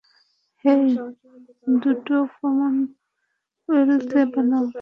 হেই, দুটো কমনওয়েলথ বানাও।